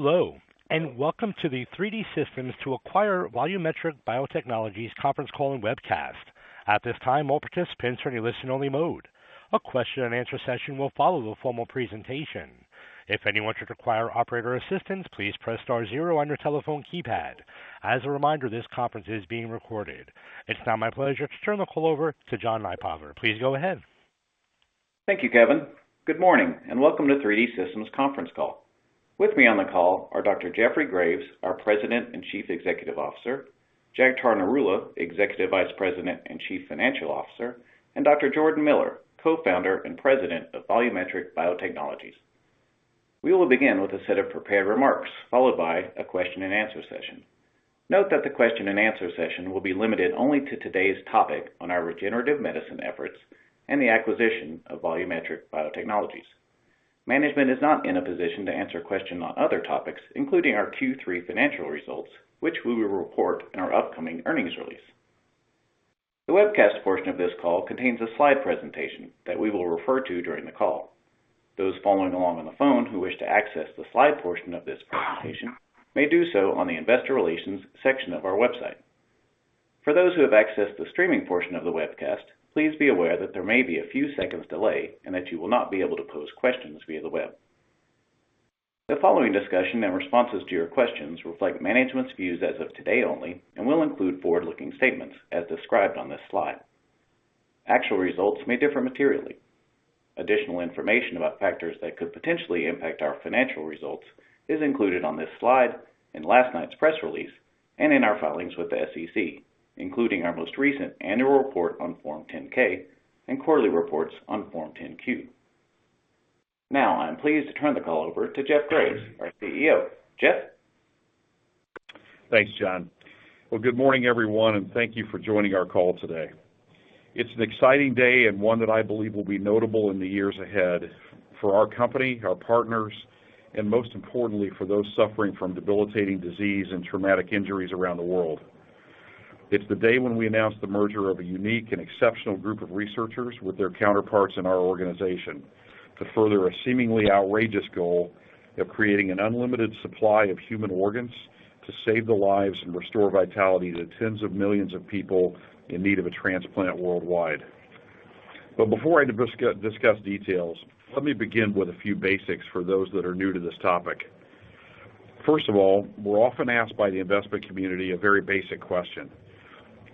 Hello, and welcome to the 3D Systems to acquire Volumetric Biotechnologies conference call and webcast. At this time, all participants are in listen only mode. A question and answer session will follow the formal presentation. If anyone should require operator assistance, please press star zero on your telephone keypad. As a reminder, this conference is being recorded. It's now my pleasure to turn the call over to John Nypaver. Please go ahead. Thank you, Kevin. Good morning and welcome to 3D Systems conference call. With me on the call are Dr. Jeffrey Graves, our President and Chief Executive Officer, Jagtar Narula, Executive Vice President and Chief Financial Officer, and Dr. Jordan Miller, Co-founder and President of Volumetric Biotechnologies. We will begin with a set of prepared remarks, followed by a question and answer session. Note that the question and answer session will be limited only to today's topic on our regenerative medicine efforts and the acquisition of Volumetric Biotechnologies. Management is not in a position to answer questions on other topics, including our Q3 financial results, which we will report in our upcoming earnings release. The webcast portion of this call contains a slide presentation that we will refer to during the call. Those following along on the phone who wish to access the slide portion of this presentation may do so on the Investor Relations section of our website. For those who have accessed the streaming portion of the webcast, please be aware that there may be a few seconds delay and that you will not be able to pose questions via the web. The following discussion and responses to your questions reflect management's views as of today only and will include forward-looking statements as described on this slide. Actual results may differ materially. Additional information about factors that could potentially impact our financial results is included on this slide, in last night's press release, and in our filings with the SEC, including our most recent annual report on Form 10-K and quarterly reports on Form 10-Q. Now, I'm pleased to turn the call over to Jeffrey Graves, our CEO. Jeffrey? Thanks, John Nypaver. Well, good morning, everyone, and thank you for joining our call today. It's an exciting day and one that I believe will be notable in the years ahead for our company, our partners, and most importantly, for those suffering from debilitating disease and traumatic injuries around the world. It's the day when we announced the merger of a unique and exceptional group of researchers with their counterparts in our organization to further a seemingly outrageous goal of creating an unlimited supply of human organs to save the lives and restore vitality to tens of millions of people in need of a transplant worldwide. Before I discuss details, let me begin with a few basics for those that are new to this topic. First of all, we're often asked by the investment community a very basic question,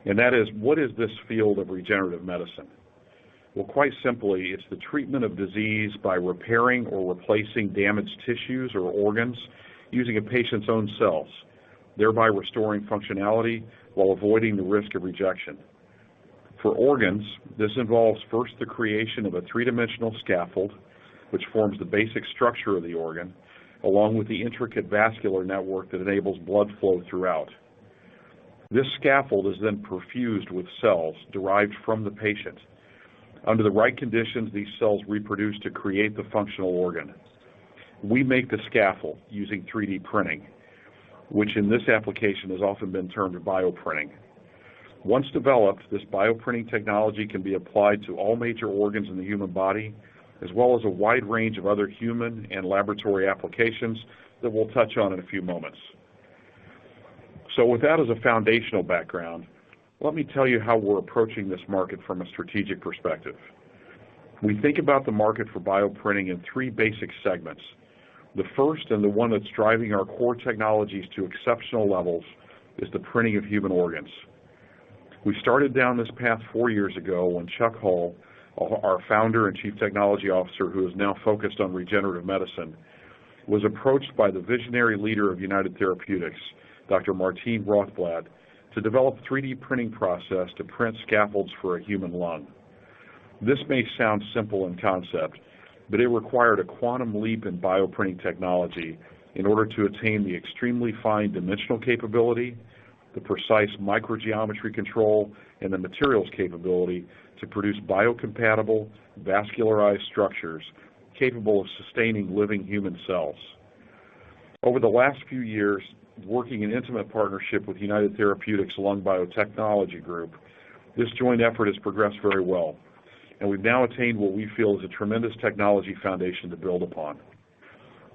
and that is, what is this field of regenerative medicine? Well, quite simply, it's the treatment of disease by repairing or replacing damaged tissues or organs using a patient's own cells, thereby restoring functionality while avoiding the risk of rejection. For organs, this involves first the creation of a three-dimensional scaffold, which forms the basic structure of the organ, along with the intricate vascular network that enables blood flow throughout. This scaffold is then perfused with cells derived from the patient. Under the right conditions, these cells reproduce to create the functional organ. We make the scaffold using 3D printing, which in this application has often been termed bioprinting. Once developed, this bioprinting technology can be applied to all major organs in the human body, as well as a wide range of other human and laboratory applications that we'll touch on in a few moments. With that as a foundational background, let me tell you how we're approaching this market from a strategic perspective. We think about the market for bioprinting in three basic segments. The first and the one that's driving our core technologies to exceptional levels is the printing of human organs. We started down this path four years ago when Chuck Hull, our founder and Chief Technology Officer who is now focused on regenerative medicine, was approached by the visionary leader of United Therapeutics, Dr. Martine Rothblatt, to develop 3D printing process to print scaffolds for a human lung. This may sound simple in concept, but it required a quantum leap in bioprinting technology in order to attain the extremely fine dimensional capability, the precise microgeometry control, and the materials capability to produce biocompatible vascularized structures capable of sustaining living human cells. Over the last few years, working in intimate partnership with United Therapeutics' Lung Biotechnology Group, this joint effort has progressed very well, and we've now attained what we feel is a tremendous technology foundation to build upon.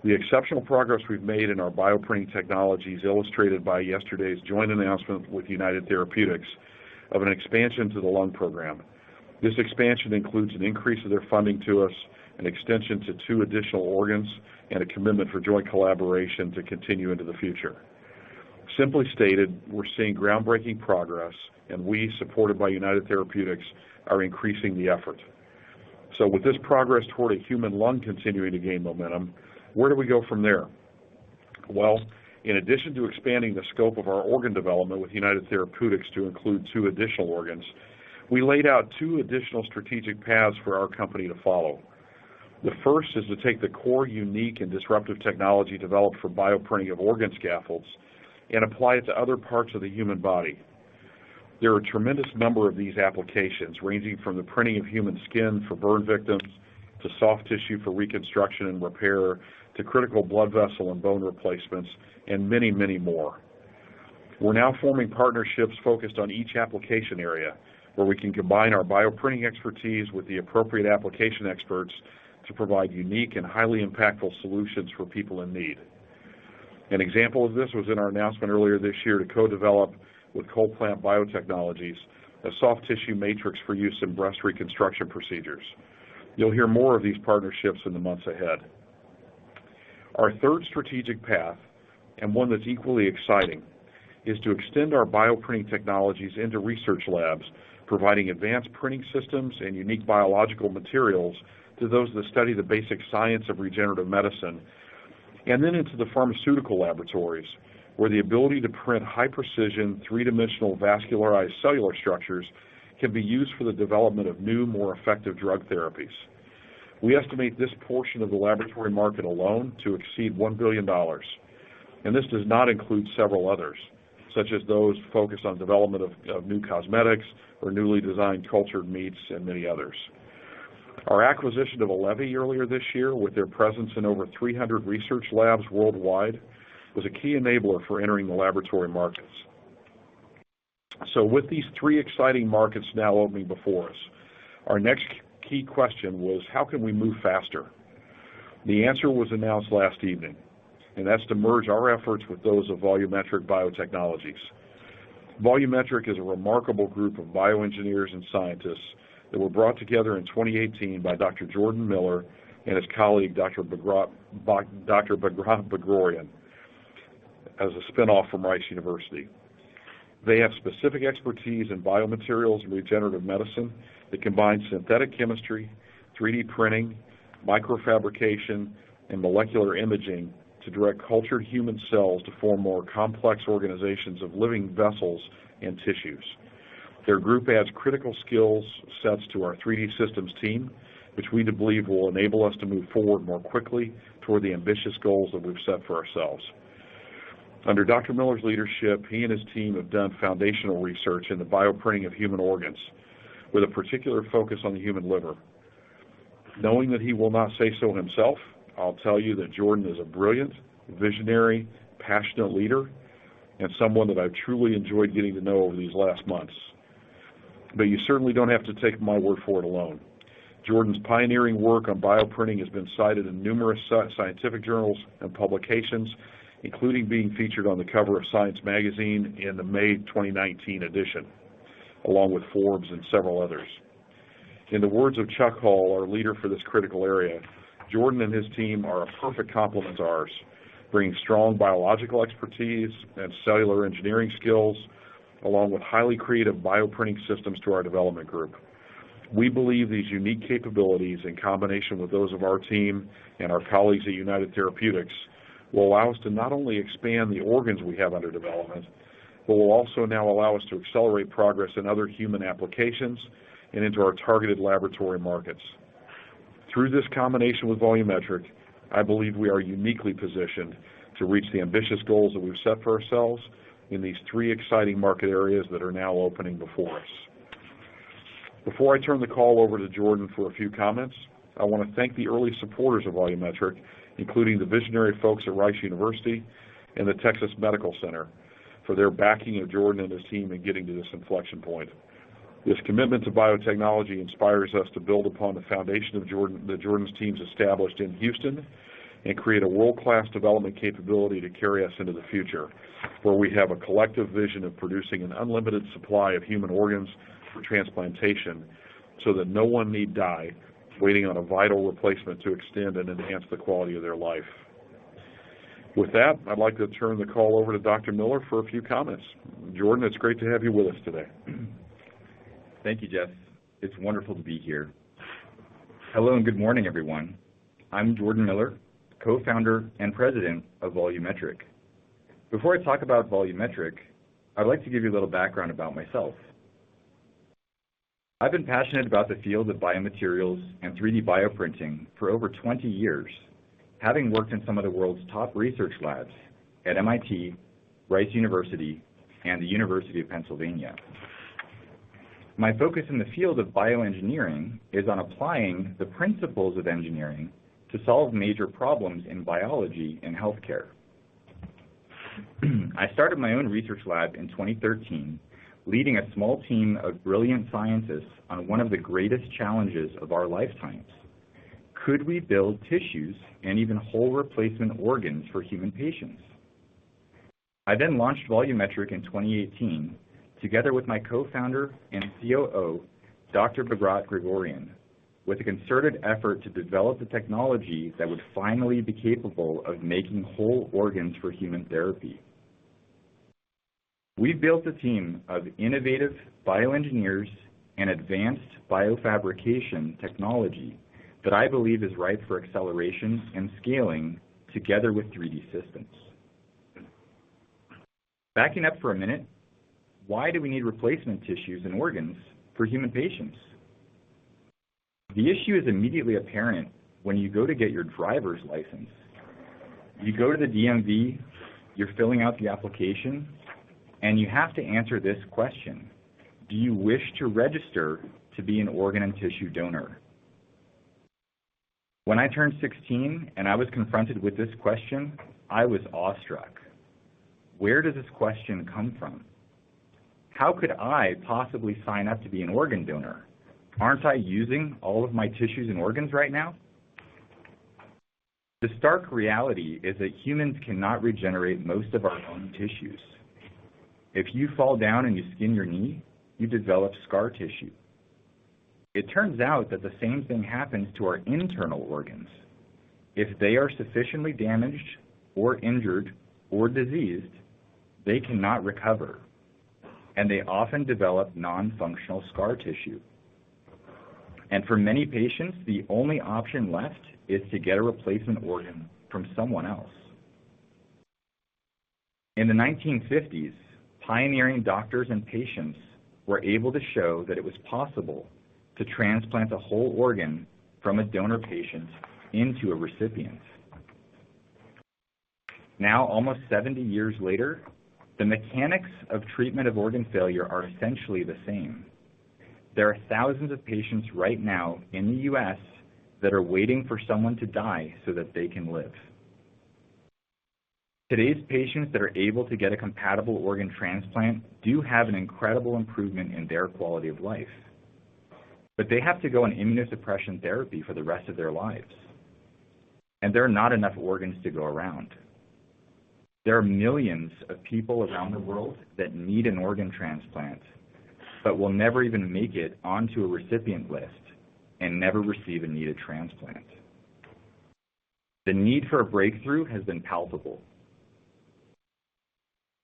The exceptional progress we've made in our bioprinting technology is illustrated by yesterday's joint announcement with United Therapeutics of an expansion to the lung program. This expansion includes an increase of their funding to us, an extension to two additional organs, and a commitment for joint collaboration to continue into the future. Simply stated, we're seeing groundbreaking progress, and we, supported by United Therapeutics, are increasing the effort. With this progress toward a human lung continuing to gain momentum, where do we go from there? Well, in addition to expanding the scope of our organ development with United Therapeutics to include two additional organs, we laid out two additional strategic paths for our company to follow. The first is to take the core unique and disruptive technology developed for bioprinting of organ scaffolds and apply it to other parts of the human body. There are a tremendous number of these applications, ranging from the printing of human skin for burn victims to soft tissue for reconstruction and repair to critical blood vessel and bone replacements and many, many more. We're now forming partnerships focused on each application area, where we can combine our bioprinting expertise with the appropriate application experts to provide unique and highly impactful solutions for people in need. An example of this was in our announcement earlier this year to co-develop with CollPlant Biotechnologies, a soft tissue matrix for use in breast reconstruction procedures. You'll hear more of these partnerships in the months ahead. Our third strategic path, and one that's equally exciting, is to extend our bioprinting technologies into research labs, providing advanced printing systems and unique biological materials to those that study the basic science of regenerative medicine, and then into the pharmaceutical laboratories, where the ability to print high-precision, three-dimensional vascularized cellular structures can be used for the development of new, more effective drug therapies. We estimate this portion of the laboratory market alone to exceed $1 billion, and this does not include several others, such as those focused on development of new cosmetics or newly designed cultured meats and many others. Our acquisition of Allevi earlier this year, with their presence in over 300 research labs worldwide, was a key enabler for entering the laboratory markets. With these three exciting markets now opening before us, our next key question was, how can we move faster? The answer was announced last evening, and that's to merge our efforts with those of Volumetric Biotechnologies. Volumetric is a remarkable group of bioengineers and scientists that were brought together in 2018 by Dr. Jordan Miller and his colleague, Dr. Bagrat Grigoryan, as a spinoff from Rice University. They have specific expertise in biomaterials and regenerative medicine that combines synthetic chemistry, 3D printing, microfabrication, and molecular imaging to direct cultured human cells to form more complex organizations of living vessels and tissues. Their group adds critical skills sets to our 3D Systems team, which we believe will enable us to move forward more quickly toward the ambitious goals that we've set for ourselves. Under Dr. Miller's leadership, he and his team have done foundational research in the bioprinting of human organs with a particular focus on the human liver. Knowing that he will not say so himself, I'll tell you that Jordan is a brilliant, visionary, passionate leader and someone that I've truly enjoyed getting to know over these last months. You certainly don't have to take my word for it alone. Jordan's pioneering work on bioprinting has been cited in numerous scientific journals and publications, including being featured on the cover of Science in the May 2019 edition, along with Forbes and several others. In the words of Chuck Hull, our leader for this critical area, Jordan and his team are a perfect complement to ours, bringing strong biological expertise and cellular engineering skills, along with highly creative bioprinting systems to our development group. We believe these unique capabilities, in combination with those of our team and our colleagues at United Therapeutics, will allow us to not only expand the organs we have under development, but will also now allow us to accelerate progress in other human applications and into our targeted laboratory markets. Through this combination with Volumetric, I believe we are uniquely positioned to reach the ambitious goals that we've set for ourselves in these three exciting market areas that are now opening before us. Before I turn the call over to Jordan for a few comments, I want to thank the early supporters of Volumetric, including the visionary folks at Rice University and the Texas Medical Center, for their backing of Jordan and his team in getting to this inflection point. This commitment to biotechnology inspires us to build upon the foundation that Jordan's team has established in Houston and create a world-class development capability to carry us into the future, where we have a collective vision of producing an unlimited supply of human organs for transplantation so that no one need die waiting on a vital replacement to extend and enhance the quality of their life. With that, I'd like to turn the call over to Dr. Miller for a few comments. Jordan Miller, it's great to have you with us today. Thank you, Jeffrey Graves. It's wonderful to be here. Hello and good morning, everyone. I'm Jordan Miller, Co-founder and President of Volumetric. Before I talk about Volumetric, I'd like to give you a little background about myself. I've been passionate about the field of biomaterials and 3D bioprinting for over 20 years, having worked in some of the world's top research labs at MIT, Rice University, and the University of Pennsylvania. My focus in the field of bioengineering is on applying the principles of engineering to solve major problems in biology and healthcare. I started my own research lab in 2013, leading a small team of brilliant scientists on one of the greatest challenges of our lifetimes. Could we build tissues and even whole replacement organs for human patients? I then launched Volumetric in 2018 together with my co-founder and COO, Dr. Bagrat Grigoryan, with a concerted effort to develop the technology that would finally be capable of making whole organs for human therapy. We built a team of innovative bioengineers and advanced biofabrication technology that I believe is ripe for acceleration and scaling together with 3D Systems. Backing up for a minute, why do we need replacement tissues and organs for human patients? The issue is immediately apparent when you go to get your driver's license. You go to the DMV, you're filling out the application, and you have to answer this question, do you wish to register to be an organ and tissue donor? When I turned 16 and I was confronted with this question, I was awestruck. Where does this question come from? How could I possibly sign up to be an organ donor? Aren't I using all of my tissues and organs right now? The stark reality is that humans cannot regenerate most of our own tissues. If you fall down and you skin your knee, you develop scar tissue. It turns out that the same thing happens to our internal organs. If they are sufficiently damaged or injured or diseased, they cannot recover, and they often develop non-functional scar tissue. For many patients, the only option left is to get a replacement organ from someone else. In the 1950s, pioneering doctors and patients were able to show that it was possible to transplant a whole organ from a donor patient into a recipient. Now, almost 70 years later, the mechanics of treatment of organ failure are essentially the same. There are thousands of patients right now in the U.S. that are waiting for someone to die so that they can live. Today's patients that are able to get a compatible organ transplant do have an incredible improvement in their quality of life. But they have to go on immunosuppression therapy for the rest of their lives. There are not enough organs to go around. There are millions of people around the world that need an organ transplant, but will never even make it onto a recipient list and never receive a needed transplant. The need for a breakthrough has been palpable.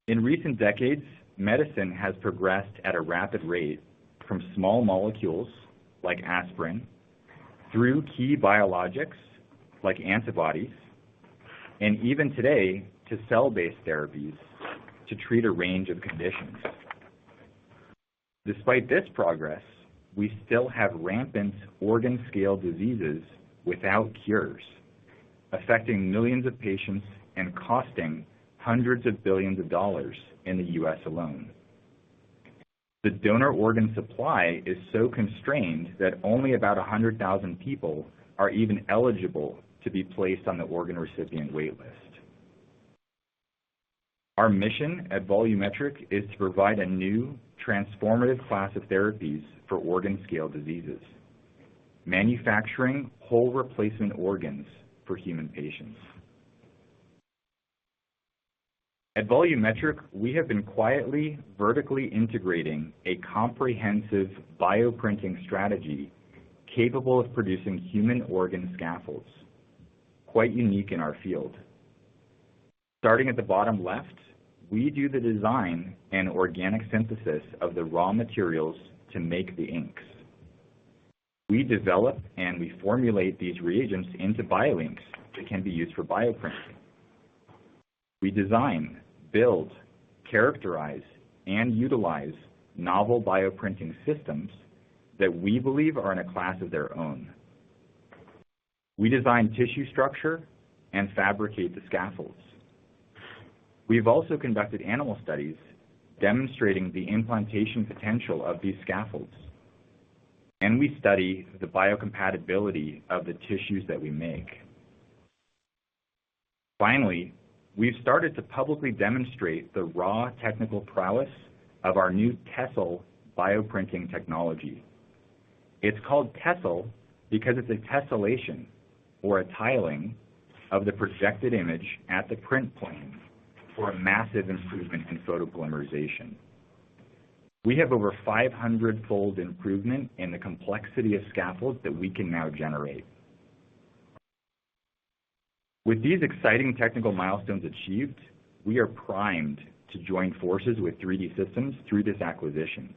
In recent decades, medicine has progressed at a rapid rate from small molecules like aspirin through key biologics like antibodies, and even today, to cell-based therapies to treat a range of conditions. Despite this progress, we still have rampant organ scale diseases without cures, affecting millions of patients and costing hundreds of billions of dollars in the U.S. alone. The donor organ supply is so constrained that only about 100,000 people are even eligible to be placed on the organ recipient wait list. Our mission at Volumetric is to provide a new transformative class of therapies for organ-scale diseases, manufacturing whole replacement organs for human patients. At Volumetric, we have been quietly, vertically integrating a comprehensive bioprinting strategy capable of producing human organ scaffolds, quite unique in our field. Starting at the bottom left, we do the design and organic synthesis of the raw materials to make the inks. We develop and we formulate these reagents into bioinks that can be used for bioprinting. We design, build, characterize, and utilize novel bioprinting systems that we believe are in a class of their own. We design tissue structure and fabricate the scaffolds. We've also conducted animal studies demonstrating the implantation potential of these scaffolds. We study the biocompatibility of the tissues that we make. Finally, we've started to publicly demonstrate the raw technical prowess of our new Tesselle bioprinting technology. It's called Tesselle because it's a tessellation or a tiling of the projected image at the print plane for a massive improvement in photopolymerization. We have over 500-fold improvement in the complexity of scaffolds that we can now generate. With these exciting technical milestones achieved, we are primed to join forces with 3D Systems through this acquisition.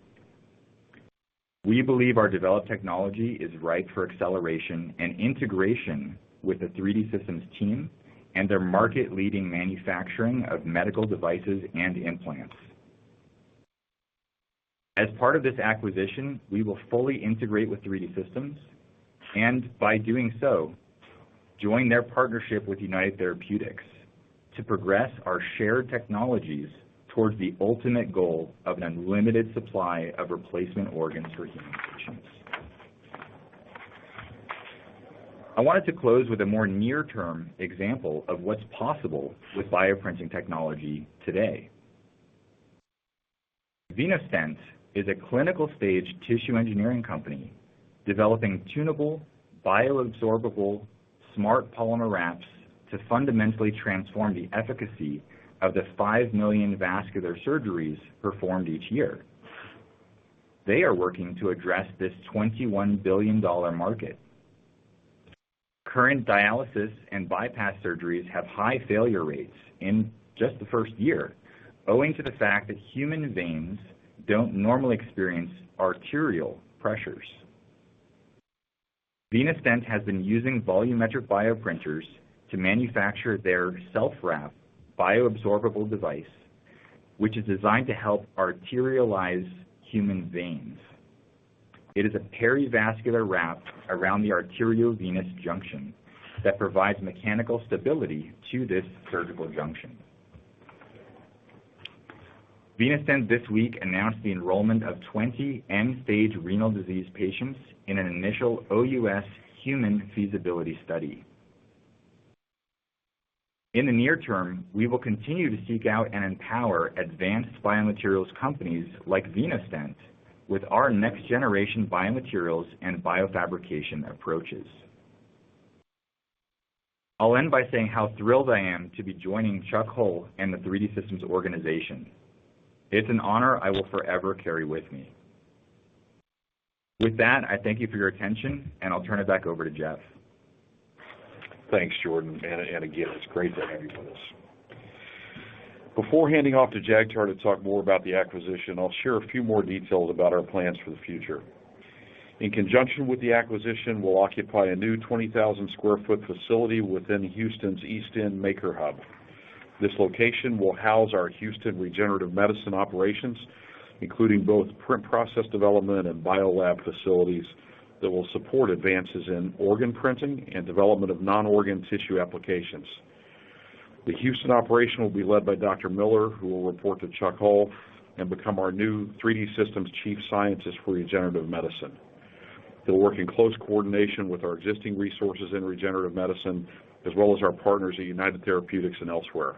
We believe our developed technology is right for acceleration and integration with the 3D Systems team and their market-leading manufacturing of medical devices and implants. As part of this acquisition, we will fully integrate with 3D Systems, and by doing so, join their partnership with United Therapeutics to progress our shared technologies towards the ultimate goal of an unlimited supply of replacement organs for human patients. I wanted to close with a more near-term example of what's possible with bioprinting technology today. VenaStent is a clinical stage tissue engineering company developing tunable, bioabsorbable, smart polymer wraps to fundamentally transform the efficacy of the 5 million vascular surgeries performed each year. They are working to address this $21 billion market. Current dialysis and bypass surgeries have high failure rates in just the first year, owing to the fact that human veins don't normally experience arterial pressures. VenaStent has been using Volumetric bioprinters to manufacture their self-wrap bioabsorbable device, which is designed to help arterialize human veins. It is a perivascular wrap around the arteriovenous junction that provides mechanical stability to this surgical junction. VenaStent this week announced the enrollment of 20 end-stage renal disease patients in an initial OUS human feasibility study. In the near term, we will continue to seek out and empower advanced biomaterials companies like VenaStent with our next generation biomaterials and biofabrication approaches. I'll end by saying how thrilled I am to be joining Chuck Hull and the 3D Systems organization. It's an honor I will forever carry with me. With that, I thank you for your attention, and I'll turn it back over to Jeffrey Graves. Thanks, Jordan Miller, and again, it's great to have you with us. Before handing off to Jagtar Narula to talk more about the acquisition, I'll share a few more details about our plans for the future. In conjunction with the acquisition, we'll occupy a new 20,000 sq ft facility within Houston's East End Maker Hub. This location will house our Houston regenerative medicine operations, including both print process development and bio lab facilities that will support advances in organ printing and development of non-organ tissue applications. The Houston operation will be led by Dr. Miller, who will report to Chuck Hull and become our new 3D Systems Chief Scientist for Regenerative Medicine. He'll work in close coordination with our existing resources in regenerative medicine as well as our partners at United Therapeutics and elsewhere.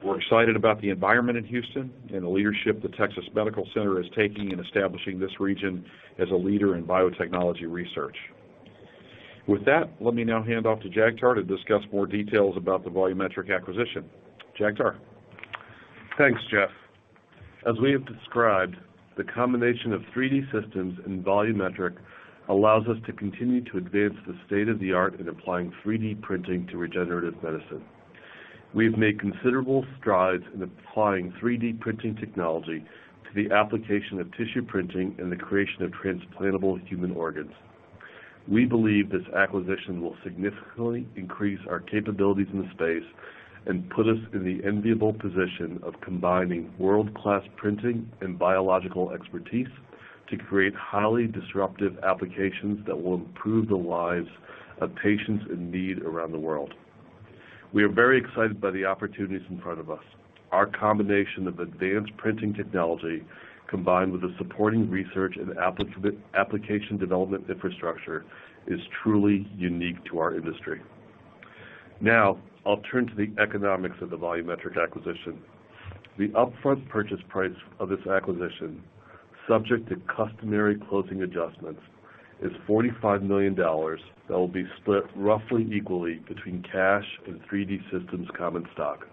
We're excited about the environment in Houston and the leadership the Texas Medical Center is taking in establishing this region as a leader in biotechnology research. With that, let me now hand off to Jagtar to discuss more details about the Volumetric acquisition. Jagtar Narula. Thanks, Jeffrey Graves. As we have described, the combination of 3D Systems and Volumetric allows us to continue to advance the state of the art in applying 3D printing to regenerative medicine. We have made considerable strides in applying 3D printing technology to the application of tissue printing and the creation of transplantable human organs. We believe this acquisition will significantly increase our capabilities in the space and put us in the enviable position of combining world-class printing and biological expertise to create highly disruptive applications that will improve the lives of patients in need around the world. We are very excited by the opportunities in front of us. Our combination of advanced printing technology, combined with the supporting research and application development infrastructure, is truly unique to our industry. Now I'll turn to the economics of the Volumetric acquisition. The upfront purchase price of this acquisition, subject to customary closing adjustments, is $45 million that will be split roughly equally between cash and 3D Systems common stock.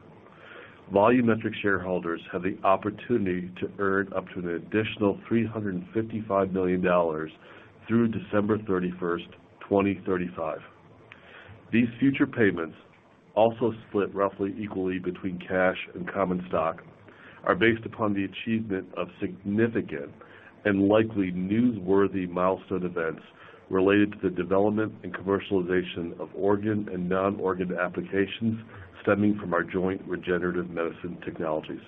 Volumetric shareholders have the opportunity to earn up to an additional $355 million through December 31, 2035. These future payments, also split roughly equally between cash and common stock, are based upon the achievement of significant and likely newsworthy milestone events related to the development and commercialization of organ and non-organ applications stemming from our joint regenerative medicine technologies.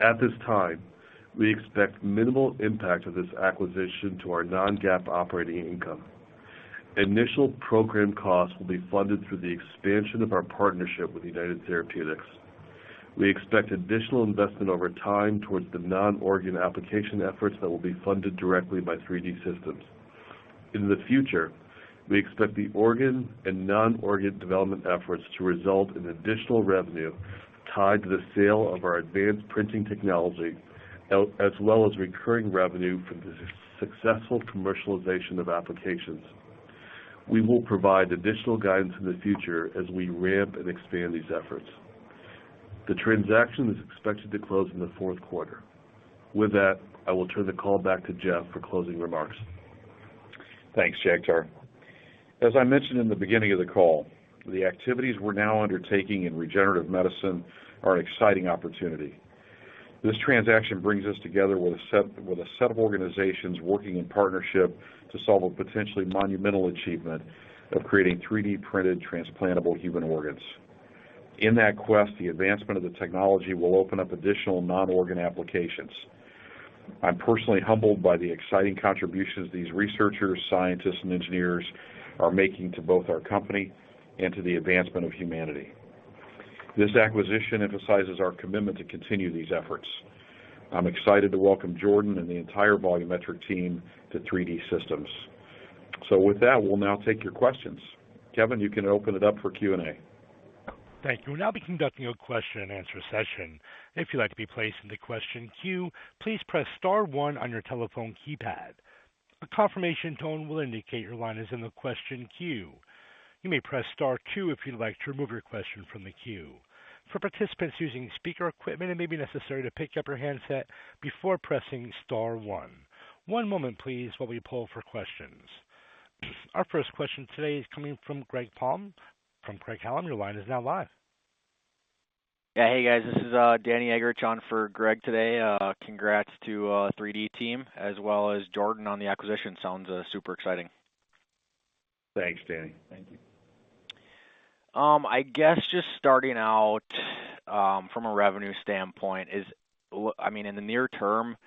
At this time, we expect minimal impact of this acquisition to our non-GAAP operating income. Initial program costs will be funded through the expansion of our partnership with United Therapeutics. We expect additional investment over time towards the non-organ application efforts that will be funded directly by 3D Systems. In the future, we expect the organ and non-organ development efforts to result in additional revenue tied to the sale of our advanced printing technology, as well as recurring revenue from the successful commercialization of applications. We will provide additional guidance in the future as we ramp and expand these efforts. The transaction is expected to close in the fourth quarter. With that, I will turn the call back to Jeffrey Graves for closing remarks. Thanks, Jagtar Narula. As I mentioned in the beginning of the call, the activities we're now undertaking in regenerative medicine are an exciting opportunity. This transaction brings us together with a set of organizations working in partnership to solve a potentially monumental achievement of creating 3D-printed transplantable human organs. In that quest, the advancement of the technology will open up additional non-organ applications. I'm personally humbled by the exciting contributions these researchers, scientists, and engineers are making to both our company and to the advancement of humanity. This acquisition emphasizes our commitment to continue these efforts. I'm excited to welcome Jordan and the entire Volumetric team to 3D Systems. With that, we'll now take your questions. Kevin, you can open it up for Q&A. Thank you. We'll now be conducting a question and answer session. If you'd like to be placed in the question queue, please press star one on your telephone keypad. A confirmation tone will indicate your line is in the question queue. You may press star two if you'd like to remove your question from the queue. For participants using speaker equipment, it may be necessary to pick up your handset before pressing star one. One moment please while we pull for questions. Our first question today is coming from Greg Palm from Craig-Hallum Capital Group. Your line is now live. Yeah. Hey, guys. This is Danny Eggerichs for Greg Palm today. Congrats to 3D team as well as Jordan Miller on the acquisition. Sounds super exciting. Thanks, Danny Eggerichs. Thank you. I guess just starting out, from a revenue standpoint, look, I mean, in the near term,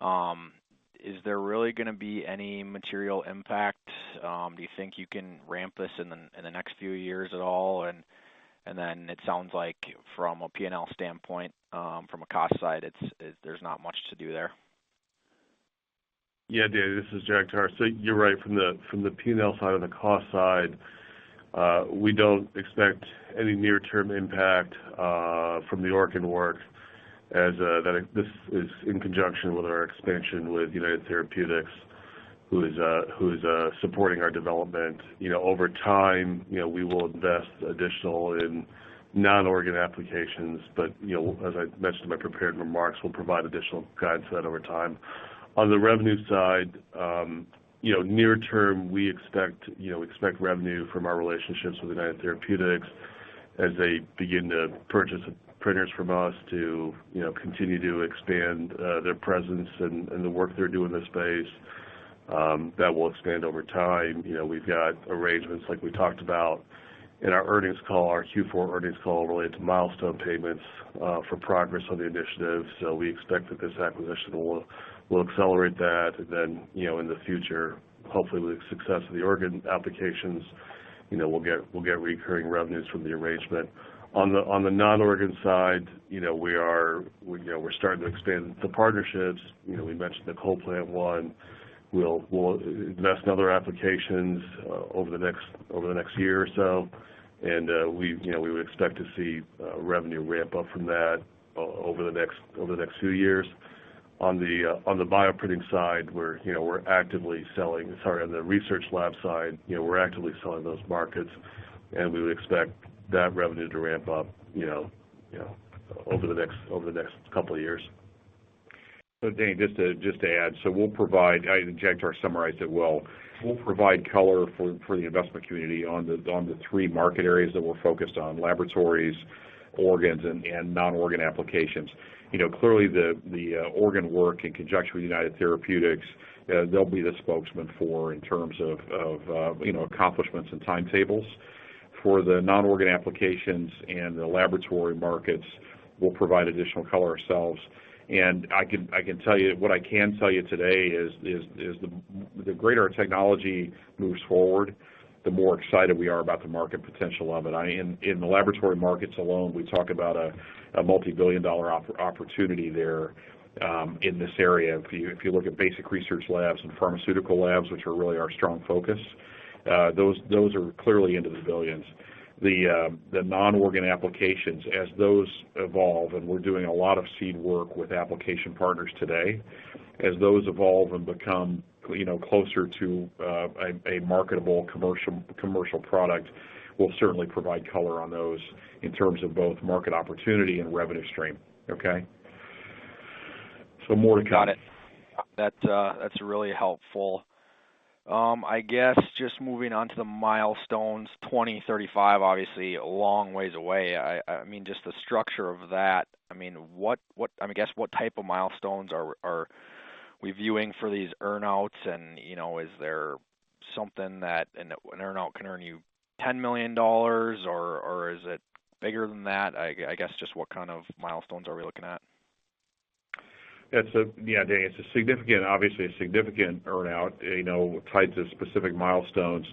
is there really gonna be any material impact? Do you think you can ramp this in the next few years at all? It sounds like from a P&L standpoint, from a cost side, there's not much to do there. Yeah, Danny Eggerichs, this is Jagtar Narula. So you're right from the P&L side or the cost side, we don't expect any near-term impact from the organ work as this is in conjunction with our expansion with United Therapeutics, who is supporting our development. You know, over time, you know, we will invest additional in non-organ applications. But, you know, as I mentioned in my prepared remarks, we'll provide additional guidance on that over time. On the revenue side, you know, near term, we expect, you know, we expect revenue from our relationships with United Therapeutics as they begin to purchase printers from us to, you know, continue to expand their presence and the work they're doing in the space, that will expand over time. You know, we've got arrangements like we talked about in our earnings call, our Q4 earnings call related to milestone payments for progress on the initiative. We expect that this acquisition will accelerate that. In the future, hopefully with the success of the organ applications, you know, we'll get recurring revenues from the arrangement. On the non-organ side, you know, we're starting to expand the partnerships. You know, we mentioned the CollPlant one. We'll invest in other applications over the next year or so. We would expect to see revenue ramp up from that over the next few years. On the bioprinting side, we're actively selling. Sorry, on the research lab side, you know, we're actively selling those markets, and we would expect that revenue to ramp up, you know, over the next couple of years. Danny Eggerichs, just to add, as Jagtar Narula summarized it well. We'll provide color for the investment community on the three market areas that we're focused on, laboratories, organs, and non-organ applications. You know, clearly the organ work in conjunction with United Therapeutics, they'll be the spokesman for in terms of, you know, accomplishments and timetables. For the non-organ applications and the laboratory markets, we'll provide additional color ourselves. I can tell you. What I can tell you today is the greater our technology moves forward, the more excited we are about the market potential of it. In the laboratory markets alone, we talk about a multi-billion-dollar opportunity there in this area. If you look at basic research labs and pharmaceutical labs, which are really our strong focus, those are clearly into the billions. The non-organ applications, as those evolve, and we're doing a lot of seed work with application partners today. As those evolve and become, you know, closer to a marketable commercial product, we'll certainly provide color on those in terms of both market opportunity and revenue stream. Okay? So more to come. Got it. That's really helpful. I guess just moving on to the milestones, 2035, obviously a long ways away. I mean, just the structure of that, I mean, what I mean, I guess what type of milestones are we viewing for these earn-outs? You know, is there something that an earn-out can earn you $10 million, or is it bigger than that? I guess just what kind of milestones are we looking at? Yeah, Danny Eggerichs, it's a significant earn-out, you know, tied to specific milestones.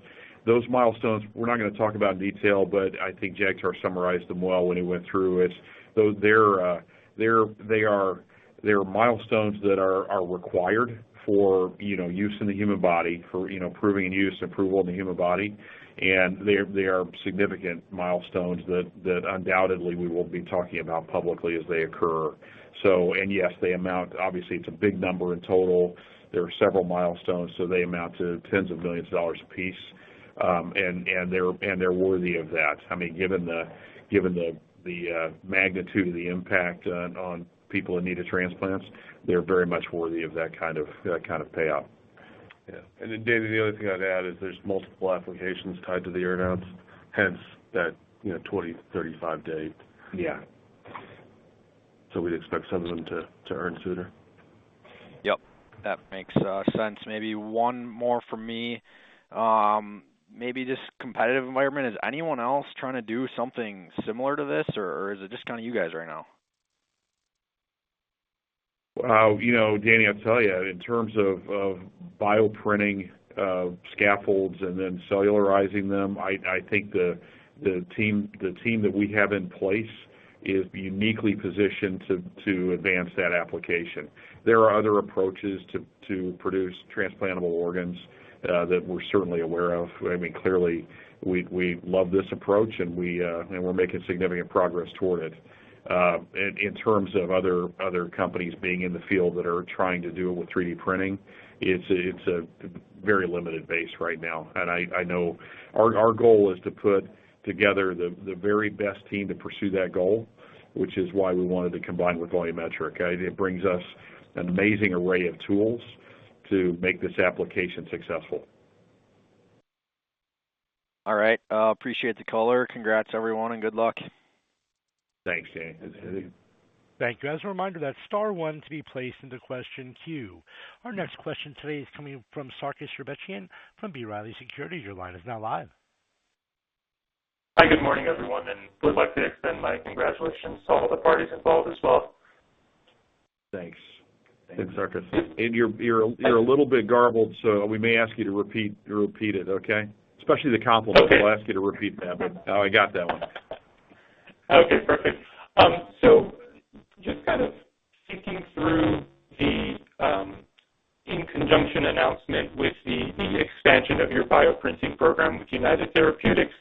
Those milestones we're not gonna talk about in detail, but I think Jagtar Narula summarized them well when he went through it. They're milestones that are required for use in the human body for proving and use approval in the human body. They are significant milestones that undoubtedly we will be talking about publicly as they occur. Yes, they amount. Obviously, it's a big number in total. There are several milestones, so they amount to tens of millions of dollars a piece. They're worthy of that. I mean, given the magnitude of the impact on people in need of transplants, they're very much worthy of that kind of payout. Yeah. Danny, the other thing I'd add is there's multiple applications tied to the earn-outs, hence that, you know, 2035 date. Yeah. We'd expect some of them to earn sooner. Yep, that makes sense. Maybe one more from me. Maybe just competitive environment. Is anyone else trying to do something similar to this, or is it just kind of you guys right now? Well, you know, Danny, I'll tell you, in terms of bioprinting, scaffolds and then cellularizing them, I think the team that we have in place is uniquely positioned to advance that application. There are other approaches to produce transplantable organs that we're certainly aware of. I mean, clearly we love this approach, and we're making significant progress toward it. In terms of other companies being in the field that are trying to do it with 3D printing, it's a very limited base right now. I know our goal is to put together the very best team to pursue that goal, which is why we wanted to combine with Volumetric. It brings us an amazing array of tools to make this application successful. All right. Appreciate the color. Congrats, everyone, and good luck. Thanks, Danny Eggerichs. Thanks. Thank you. As a reminder, that's star one to be placed into question queue. Our next question today is coming from Sarkis Sherbetchyan from B. Riley Securities. Your line is now live. Hi, good morning, everyone. I would like to extend my congratulations to all the parties involved as well. Thanks. Thanks, Sarkis Sherbetchyan. You're a little bit garbled, so we may ask you to repeat it, okay? Especially the compliment. We'll ask you to repeat that, but I got that one. Okay, perfect. Just kind of thinking through the in conjunction announcement with the expansion of your bioprinting program with United Therapeutics.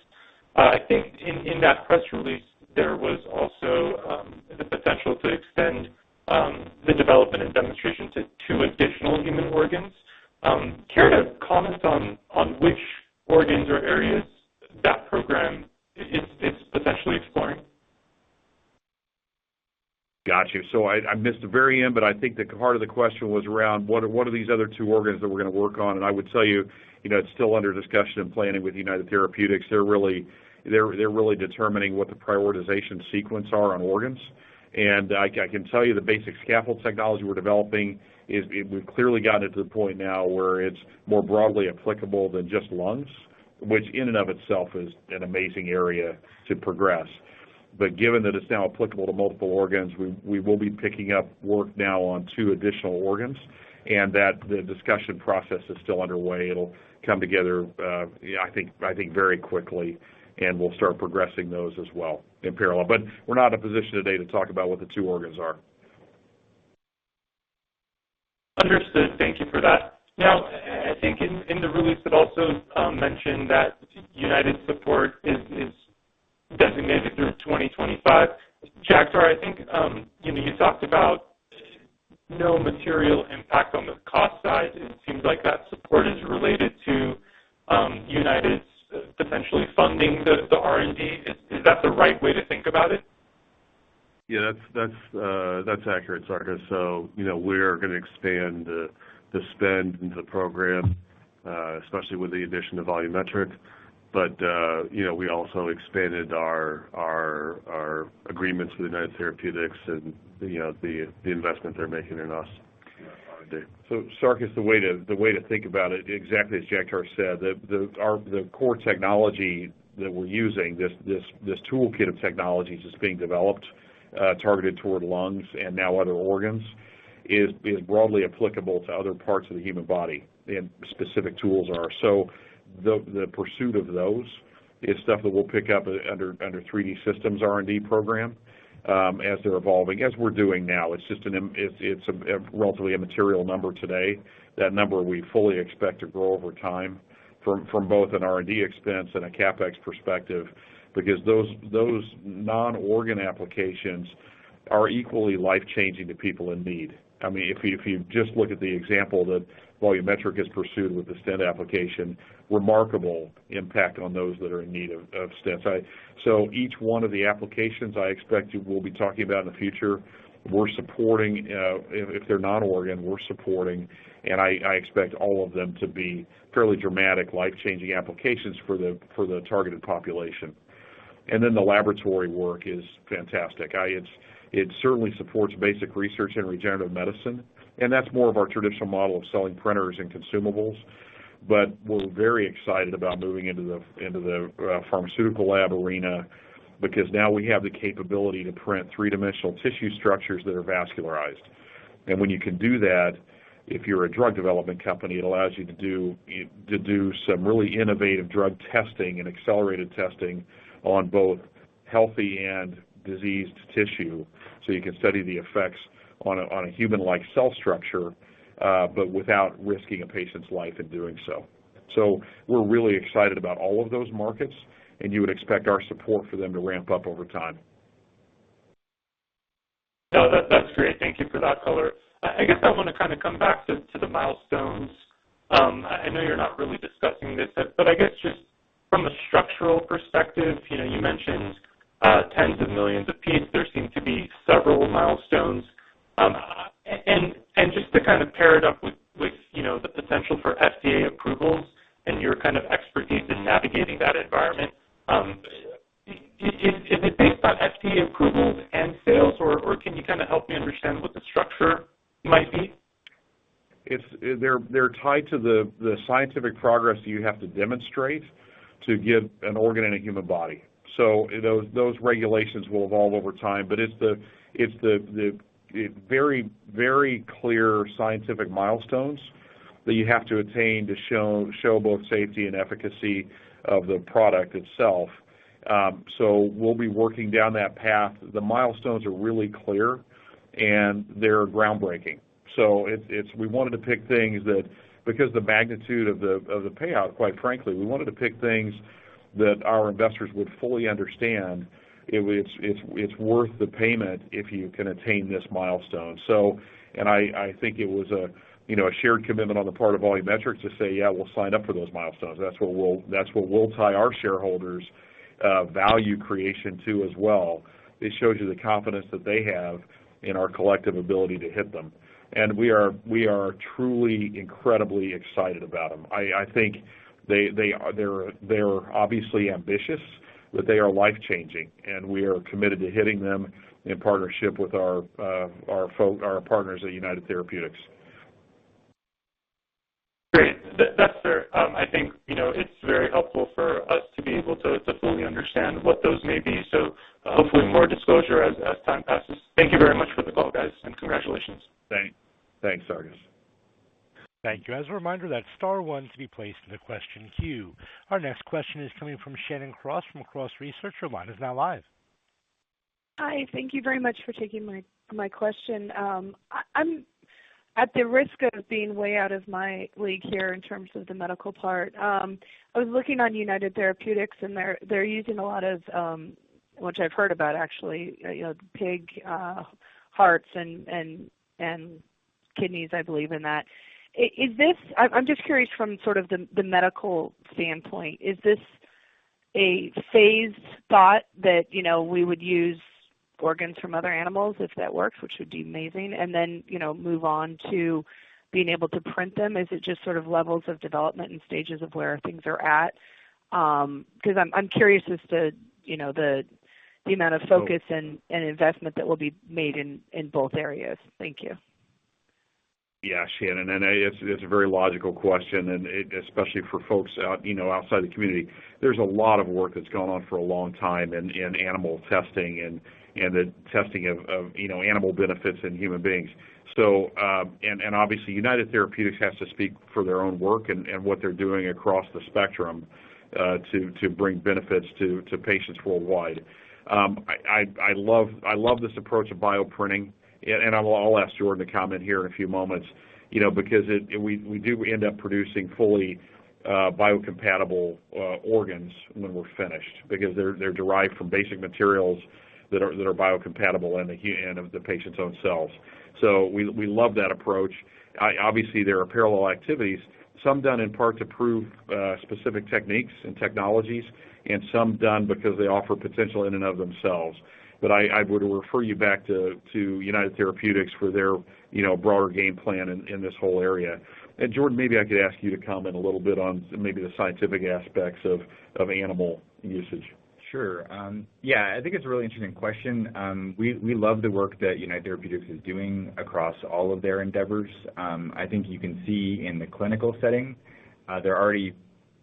I think in that press release, there was also the potential to extend the development and demonstration to two additional human organs. Care to comment on which organs or areas that program is potentially exploring? Got you. I missed the very end, but I think the heart of the question was around what are these other two organs that we're gonna work on? I would tell you know, it's still under discussion and planning with United Therapeutics. They're really determining what the prioritization sequence are on organs. I can tell you the basic scaffold technology we're developing is—we've clearly gotten it to the point now where it's more broadly applicable than just lungs, which in and of itself is an amazing area to progress. Given that it's now applicable to multiple organs, we will be picking up work now on two additional organs, and that the discussion process is still underway. It'll come together, I think very quickly, and we'll start progressing those as well in parallel. But we're not in a position today to talk about what the two organs are. Understood. Thank you for that. Now, I think in the release, it also mentioned that United support is designated through 2025. Jagtar Narula, I think, you know, you talked about no material impact on the cost side. It seems like that support is related to United's essentially funding just to R&D. Is that the right way to think about it? Yeah, that's accurate, Sarkis Sherbetchyan. You know, we're gonna expand the spend into the program, especially with the addition of Volumetric. You know, we also expanded our agreements with United Therapeutics and, you know, the investment they're making in us on R&D. Sarkis Sherbetchyan, the way to think about it, exactly as Jagtar Narula said, the core technology that we're using, this toolkit of technologies is being developed, targeted toward lungs and now other organs, is broadly applicable to other parts of the human body, and specific tools are. The pursuit of those is stuff that we'll pick up under 3D Systems R&D program, as they're evolving, as we're doing now. It's just a relatively immaterial number today. That number we fully expect to grow over time from both an R&D expense and a CapEx perspective, because those non-organ applications are equally life-changing to people in need. I mean, if you just look at the example that Volumetric has pursued with the stent application, remarkable impact on those that are in need of stents. So each one of the applications I expect you'll be talking about in the future, we're supporting, if they're not organ, we're supporting, and I expect all of them to be fairly dramatic life-changing applications for the targeted population. Then the laboratory work is fantastic. It certainly supports basic research in regenerative medicine, and that's more of our traditional model of selling printers and consumables. But we're very excited about moving into the pharmaceutical lab arena because now we have the capability to print three-dimensional tissue structures that are vascularized. When you can do that, if you're a drug development company, it allows you to do some really innovative drug testing and accelerated testing on both healthy and diseased tissue, so you can study the effects on a human-like cell structure, but without risking a patient's life in doing so. We're really excited about all of those markets, and you would expect our support for them to ramp up over time. No, that's great. Thank you for that color. I guess I want to kind of come back to the milestones. I know you're not really discussing this, but I guess just from a structural perspective, you know, you mentioned tens of millions a piece. There seem to be several milestones. Just to kind of pair it up with you know, the potential for FDA approvals and your kind of expertise in navigating that environment, is it based on FDA approvals and sales, or can you kind of help me understand what the structure might be? They're tied to the scientific progress you have to demonstrate to give an organ in a human body. Those regulations will evolve over time. It's the very clear scientific milestones that you have to attain to show both safety and efficacy of the product itself. We'll be working down that path. The milestones are really clear, and they're groundbreaking. It's we wanted to pick things that because the magnitude of the payout, quite frankly, we wanted to pick things that our investors would fully understand, it's worth the payment if you can attain this milestone. I think it was, you know, a shared commitment on the part of Volumetric to say, "Yeah, we'll sign up for those milestones." That's what we'll tie our shareholders' value creation to as well. It shows you the confidence that they have in our collective ability to hit them. We are truly incredibly excited about them. I think they are obviously ambitious, but they are life-changing, and we are committed to hitting them in partnership with our partners at United Therapeutics. That's fair. I think, you know, it's very helpful for us to be able to fully understand what those may be. Hopefully more disclosure as time passes. Thank you very much for the call, guys, and congratulations. Thanks, Sarkis Sherbetchyan. Thank you. As a reminder, that's star one to be placed in the question queue. Our next question is coming from Shannon Cross from Cross Research. Your line is now live. Hi. Thank you very much for taking my question. I'm at the risk of being way out of my league here in terms of the medical part. I was looking on United Therapeutics and they're using a lot of, which I've heard about actually, you know, pig hearts and kidneys, I believe in that. I'm just curious from sort of the medical standpoint, is this a phased thought that, you know, we would use organs from other animals if that works, which would be amazing, and then, you know, move on to being able to print them? Is it just sort of levels of development and stages of where things are at? Because I'm curious as to, you know, the amount of focus and investment that will be made in both areas. Thank you. Yeah, Shannon Cross, it's a very logical question, especially for folks out, you know, outside the community. There's a lot of work that's gone on for a long time in animal testing and the testing of, you know, animal benefits in human beings. Obviously, United Therapeutics has to speak for their own work and what they're doing across the spectrum to bring benefits to patients worldwide. I love this approach of bioprinting. I'll ask Jordan to comment here in a few moments, you know, because we do end up producing fully biocompatible organs when we're finished because they're derived from basic materials that are biocompatible and of the patient's own cells. We love that approach. Obviously, there are parallel activities, some done in part to prove specific techniques and technologies, and some done because they offer potential in and of themselves. I would refer you back to United Therapeutics for their, you know, broader game plan in this whole area. Jordan, maybe I could ask you to comment a little bit on maybe the scientific aspects of animal usage. Sure. Yeah, I think it's a really interesting question. We love the work that United Therapeutics is doing across all of their endeavors. I think you can see in the clinical setting, there are already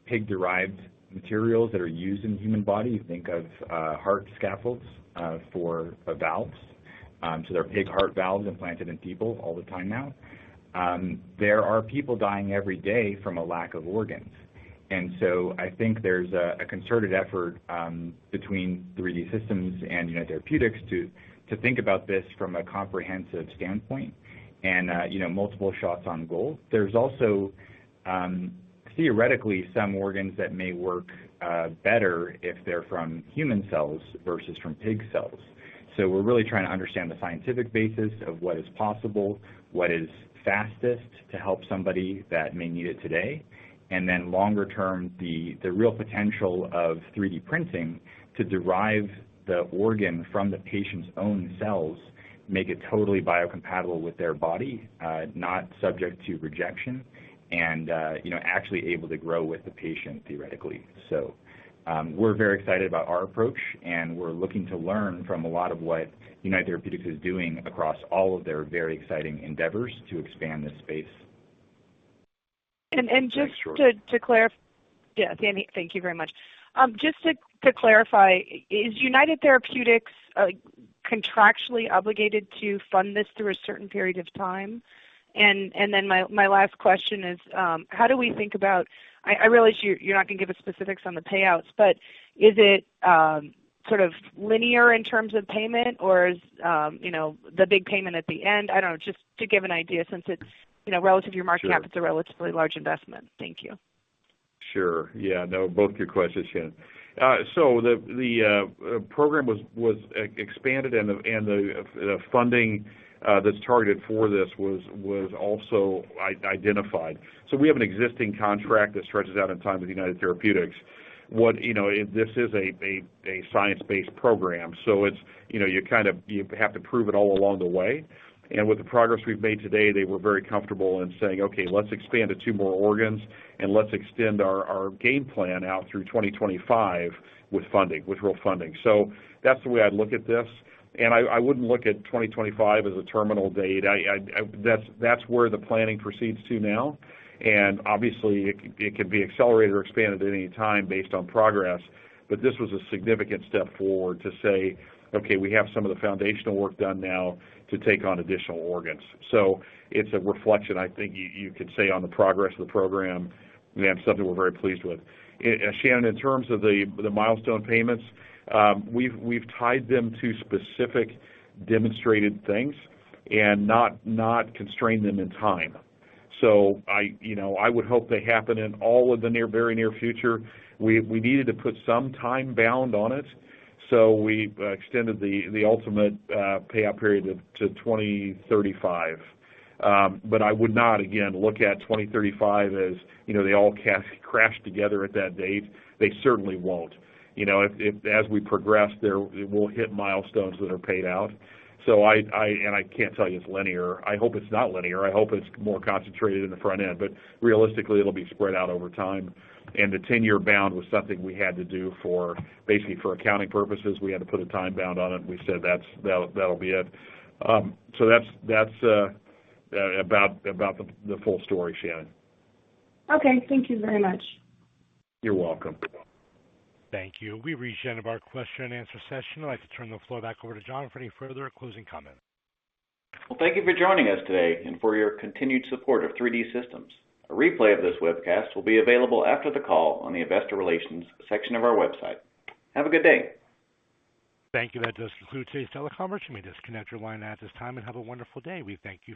pig-derived materials that are used in the human body. Think of heart scaffolds for valves. There are pig heart valves implanted in people all the time now. There are people dying every day from a lack of organs. I think there's a concerted effort between 3D Systems and United Therapeutics to think about this from a comprehensive standpoint and, you know, multiple shots on goal. There's also theoretically some organs that may work better if they're from human cells versus from pig cells. We're really trying to understand the scientific basis of what is possible, what is fastest to help somebody that may need it today, and then longer term, the real potential of 3D printing to derive the organ from the patient's own cells, make it totally biocompatible with their body, not subject to rejection, and you know, actually able to grow with the patient theoretically. We're very excited about our approach, and we're looking to learn from a lot of what United Therapeutics is doing across all of their very exciting endeavors to expand this space. Just to clarify. Yeah, Danny, thank you very much. Just to clarify, is United Therapeutics contractually obligated to fund this through a certain period of time? Then my last question is, how do we think about it. I realize you're not going to give us specifics on the payouts, but is it sort of linear in terms of payment or is, you know, the big payment at the end? I don't know, just to give an idea, since it's, you know, relative to your market cap, it's a relatively large investment. Thank you. Sure. Yeah, no, both good questions, Shannon Cross. So the program was expanded and the funding that's targeted for this was also identified. We have an existing contract that stretches out in time with United Therapeutics. You know, this is a science-based program, so it's you know, you kind of you have to prove it all along the way. With the progress we've made today, they were very comfortable in saying, "Okay, let's expand to two more organs, and let's extend our game plan out through 2025 with funding, with real funding." So that's the way I'd look at this. I wouldn't look at 2025 as a terminal date, that's where the planning proceeds to now. Obviously, it can be accelerated or expanded at any time based on progress. This was a significant step forward to say, "Okay, we have some of the foundational work done now to take on additional organs." It's a reflection, I think, you could say on the progress of the program, and something we're very pleased with. Shannon Cross, in terms of the milestone payments, we've tied them to specific demonstrated things and not constrained them in time. I, you know, I would hope they happen in the very near future. We needed to put some time bound on it, so we extended the ultimate payout period to 2035. I would not again look at 2035 as, you know, they all crash together at that date. They certainly won't. You know, if as we progress, we'll hit milestones that are paid out. I can't tell you it's linear. I hope it's not linear. I hope it's more concentrated in the front end. But realistically, it'll be spread out over time. The 10-year bound was something we had to do basically for accounting purposes. We had to put a time bound on it, and we said, "That'll be it." That's about the full story, Shannon Cross. Okay. Thank you very much. You're welcome. Thank you. We've reached the end of our question and answer session. I'd like to turn the floor back over to John for any further closing comments. Well, thank you for joining us today and for your continued support of 3D Systems. A replay of this webcast will be available after the call on the investor relations section of our website. Have a good day. Thank you. That does conclude today's teleconference. You may disconnect your line at this time and have a wonderful day. We thank you for your participation.